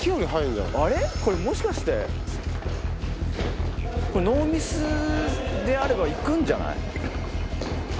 これもしかしてノーミスであれば行くんじゃない？